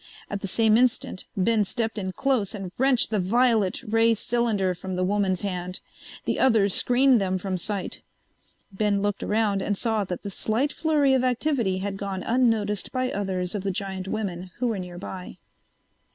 At the same instant Ben stepped in close and wrenched the violet ray cylinder from the woman's hand. The others screened them from sight. Ben looked around and saw that the slight flurry of activity had gone unnoticed by others of the giant women who were nearby.